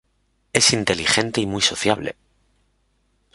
Es inteligente y muy sociable.